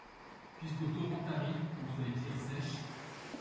Puisqu'aux torrents taris entre les pierres sèches